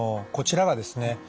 こちらはですね